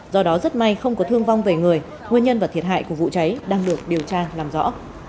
do đó rất may không có thương vong về người nguyên nhân và thiệt hại của vụ cháy đang được điều tra làm rõ